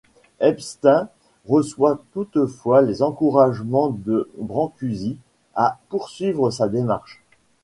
Epstein reçoit toutefois les encouragements de Brancusi à poursuivre sa démarche.